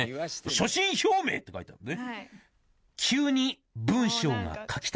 「所信表明」って書いてあるね。